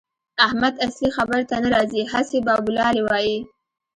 احمد اصلي خبرې ته نه راځي؛ هسې بابولالې وايي.